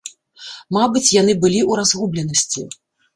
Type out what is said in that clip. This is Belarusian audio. Мабыць, яны былі ў разгубленасці.